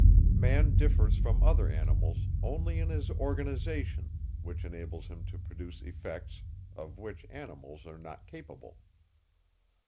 Man differs from other animals only in his organization, which enables him to produce effects, of which animals are not capable.